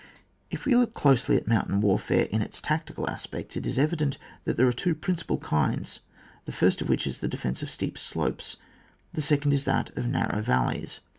If we look closely at mountain warfare in its tactical aspects, it is evident that these are of two principal kinds, the first of which is the defence of steep slopes, the second is that of narrow valleys.